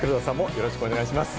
よろしくお願いします。